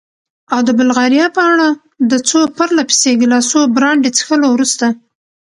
او د بلغاریا په اړه؟ د څو پرله پسې ګیلاسو برانډي څښلو وروسته.